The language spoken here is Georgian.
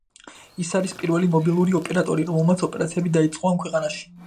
ის არის პირველი მობილური ოპერატორი, რომელმაც ოპერაციები დაიწყო ამ ქვეყანაში.